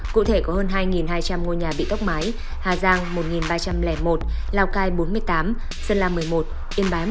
cụ thể có hơn hai hai trăm linh ngôi nhà bị tốc máy hà giang một ba trăm linh một lào cai bốn mươi tám dân lai một mươi một yên bái một trăm sáu mươi một